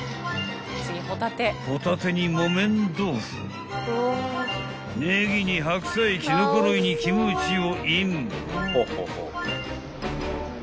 ［ホタテに木綿豆腐ネギに白菜キノコ類にキムチをイン］